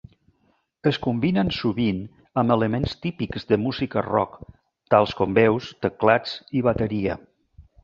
Es combinen sovint amb elements típics de música rock tals com veus, teclats i bateria.